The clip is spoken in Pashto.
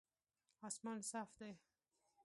اسمان صاف دی